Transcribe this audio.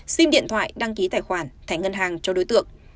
xin điện thoại đăng ký tài khoản thẻ ngân hàng cho đối tượng